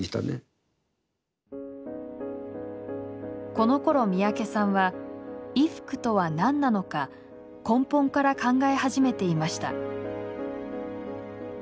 このころ三宅さんは衣服とは何なのか根本から考え始めていました。